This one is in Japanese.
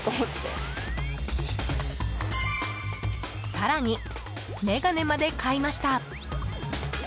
更に、眼鏡まで買いました。